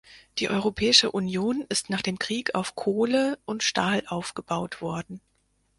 Die Europäische Union ist nach dem Krieg auf Kohle und Stahl aufgebaut worden.